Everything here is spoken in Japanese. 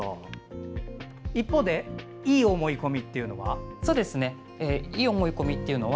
一方でいい思い込みというのは？